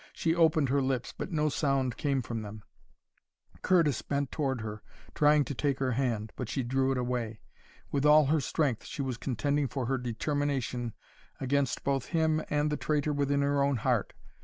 She opened her lips, but no sound came from them. Curtis bent toward her, trying to take her hand, but she drew it away. With all her strength she was contending for her determination against both him and the traitor within her own heart.